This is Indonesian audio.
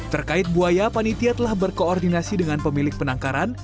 terkait buaya panitia telah berkoordinasi dengan pemilik penangkaran